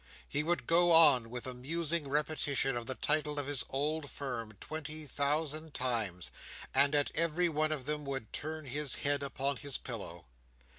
He would go on with a musing repetition of the title of his old firm twenty thousand times, and at every one of them, would turn his head upon his pillow.